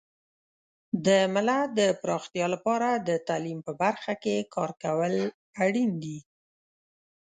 د ملت د پراختیا لپاره د تعلیم په برخه کې کار کول اړین دي.